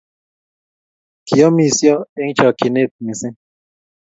kiomisio eng' chokchine mising